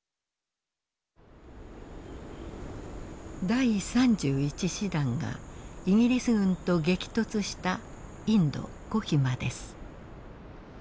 第３１師団がイギリス軍と激突したインド・コヒマです。